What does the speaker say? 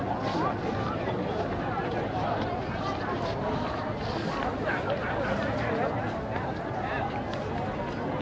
อาศักดิ์กาสธุรกิจ